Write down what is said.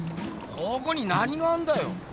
ここに何があんだよ？